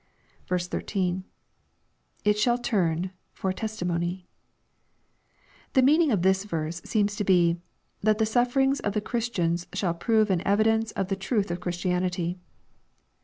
13. — [It sJidU ium..,Jbr a testimony,] The meaning of this verse seems to be, " that the sufferings of the Christians shall prove an evidence of the truth of Christianity."